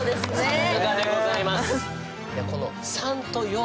さすがでございます。